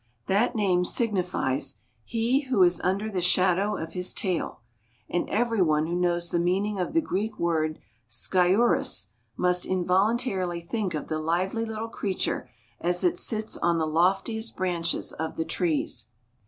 That name signifies "he who is under the shadow of his tail," and everyone who knows the meaning of the Greek word sciurus "must involuntarily think of the lively little creature as it sits on the loftiest branches of the trees."